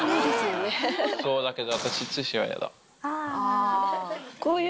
そうだけど。